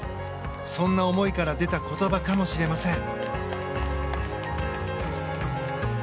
そんな思いから出た言葉かもしれません。